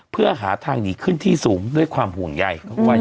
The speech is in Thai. เพื่อหาทางหนีขึ้นที่สูงด้วยความห่วงใย